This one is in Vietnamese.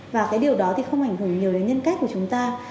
và cái điều đó thì không ảnh hưởng nhiều đến nhân cách của chúng ta